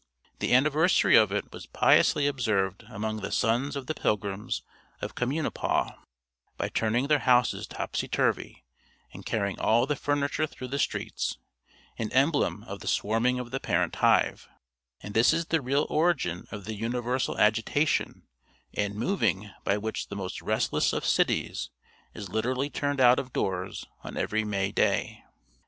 The anniversary of it was piously observed among the "sons of the pilgrims of Communipaw," by turning their houses topsy turvy, and carrying all the furniture through the streets, in emblem of the swarming of the parent hive; and this is the real origin of the universal agitation and "moving" by which this most restless of cities is literally turned out of doors on every May day.